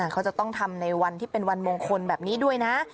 เขาจะต้องทำในวันที่เป็นวันมงคลแบบนี้ด้วยนะ